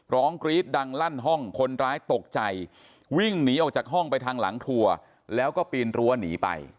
กรี๊ดดังลั่นห้องคนร้ายตกใจวิ่งหนีออกจากห้องไปทางหลังครัวแล้วก็ปีนรั้วหนีไป